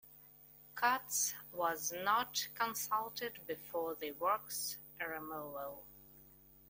Katz was not consulted before the work's removal.